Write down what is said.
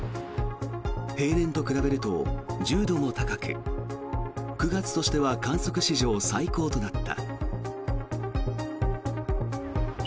平年と比べると１０度も高く９月としては観測史上最高となった。